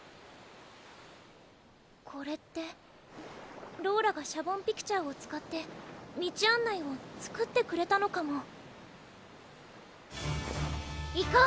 これってローラがシャボンピクチャーを使って道案内を作ってくれたのかも行こう！